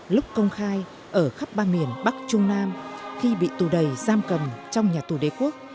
lúc công khai ở khắp ba miền bắc trung nam khi bị tù đầy giam cầm trong nhà tù đế quốc